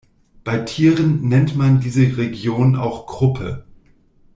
Bei Tieren nennt man diese Region auch „Kruppe“.